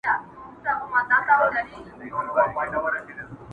بیا به هم لمبه د شمعي له سر خېژي،